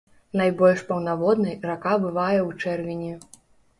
Найбольш паўнаводнай рака бывае ў чэрвені.